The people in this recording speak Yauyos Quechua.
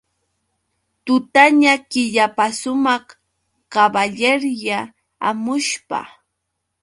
Tutaña killapasumaq kaballerya hamushpa.